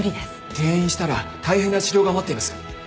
転院したら大変な治療が待っています。